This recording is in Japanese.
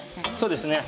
そうですね。